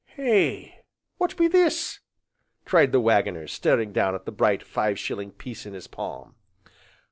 "Hey! what be this?" cried the Waggoner, staring down at the bright five shilling piece in his palm.